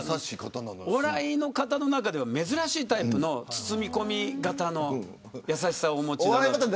お笑いの方の中では珍しいタイプの包み込み型の優しさをお持ちで。